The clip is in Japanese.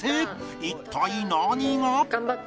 一体何が？